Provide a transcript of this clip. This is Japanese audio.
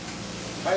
はい。